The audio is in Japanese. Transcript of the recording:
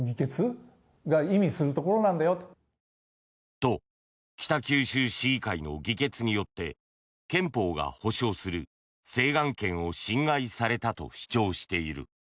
と、北九州市議会の議決によって憲法が保障する請願権を侵害されたと主張している。